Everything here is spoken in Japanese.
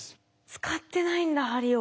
使ってないんだ針を。